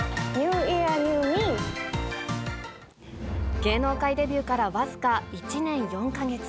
芸能界デビューから僅か１年４か月。